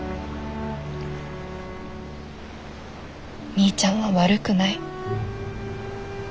みーちゃんは悪くない。